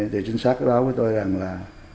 thì chính xác đó với tôi rằng là